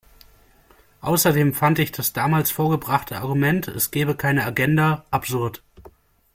Außerdem fand ich das damals vorgebrachte Argument, es gäbe keine Agenda, absurd.